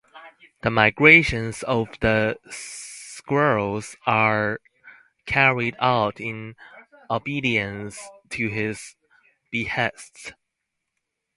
The migrations of the squirrels are carried out in obedience to his behests.